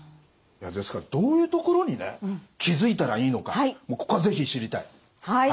ですからどういうところにね気付いたらいいのかここは是非知りたい！